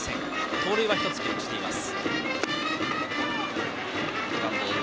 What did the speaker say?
盗塁は１つ記録しています。